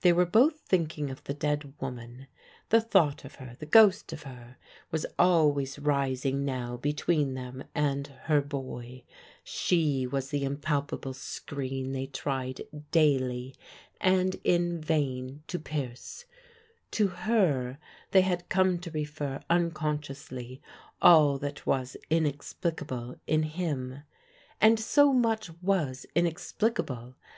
They were both thinking of the dead woman. The thought of her the ghost of her was always rising now between them and her boy; she was the impalpable screen they tried daily and in vain to pierce; to her they had come to refer unconsciously all that was inexplicable in him. And so much was inexplicable!